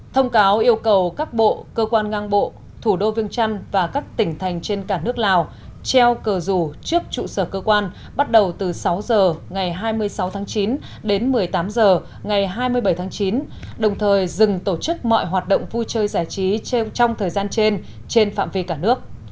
thông cáo yêu cầu các bộ cơ quan ngang bộ thủ đô viêng trăn và các tỉnh thành trên cả nước lào treo cờ rủ trước trụ sở cơ quan bắt đầu từ sáu h ngày hai mươi sáu tháng chín đến một mươi tám h ngày hai mươi bảy tháng chín đồng thời dừng tổ chức mọi hoạt động vui chơi giải trí trong thời gian trên trên phạm vi cả nước